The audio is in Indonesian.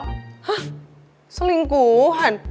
hah selingkuh hai